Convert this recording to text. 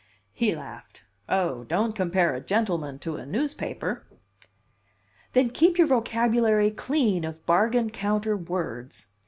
He laughed. "Oh, don't compare a gentleman to a newspaper." "Then keep your vocabulary clean of bargain counter words.